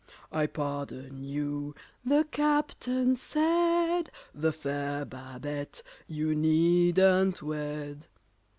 "I pardon you," the Captain said, "The fair BABETTE you needn't wed."